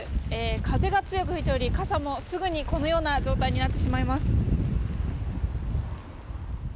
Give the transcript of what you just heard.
風が強く吹いており傘もすぐにこのような状態になってしまいます。